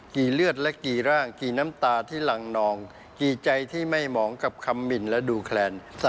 เลือดและกี่ร่างกี่น้ำตาที่หลังนองกี่ใจที่ไม่เหมาะกับคำหมินและดูแคลน